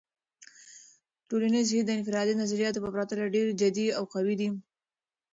ټولنیز هیت د انفرادي نظریاتو په پرتله ډیر جدي او قوي دی.